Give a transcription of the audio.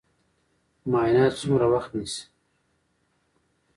معاینات څومره وخت نیسي؟